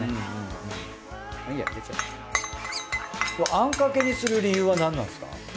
あんかけにする理由は何なんですか？